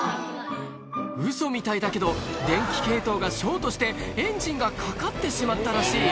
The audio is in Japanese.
ウソみたいだけど電気系統がショートしてエンジンがかかってしまったらしい